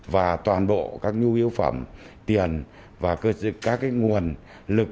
và toàn bộ các nhu yếu phẩm tiền và các nguồn lực